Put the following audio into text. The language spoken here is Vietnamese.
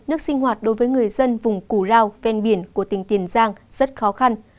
người dân vùng củ lao ven biển của tỉnh tiền giang rất khó khăn